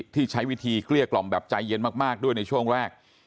ที่ใช้วิธีเกลี้ยกล่อมแบบใจเย็นมากด้วยในช่วงแรก